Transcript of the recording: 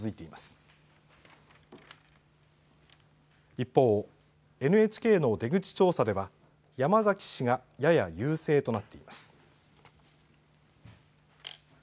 一方、ＮＨＫの出口調査では山崎氏がやや優勢となっています。